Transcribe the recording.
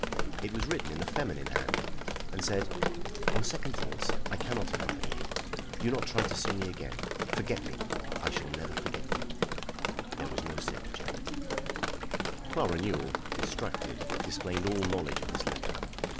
It was written in a feminine hand and said: "On second thoughts I cannot accompany you. Do not try to see me again. Forget me. I shall never forget you." [Illustration: "SCOTLAND YARD OPENED THE LETTER."] There was no signature. Clara Newell, distracted, disclaimed all knowledge of this letter.